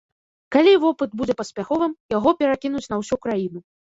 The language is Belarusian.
Калі вопыт будзе паспяховым, яго перакінуць на ўсю краіну.